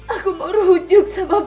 aku mau rujuk sama apa